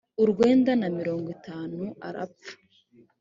urwenda na mirongo itanu arapfa.